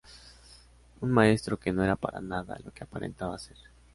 Un maestro que no era para nada lo que aparentaba ser.